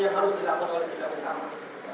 yang harus dilakukan oleh kita bersama